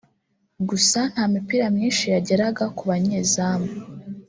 Gusa nta mipira myinshi yageraga ku banyezamu